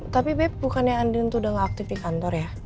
tapi be bukannya andin tuh udah gak aktif di kantor ya